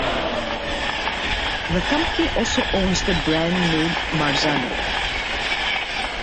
The company also owns the brand name "Marzano".